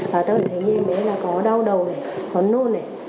ta có thể thấy như em bé có đau đầu này có nôn này